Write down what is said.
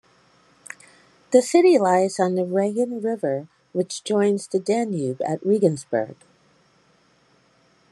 The city lies on the Regen River, which joins the Danube at Regensburg.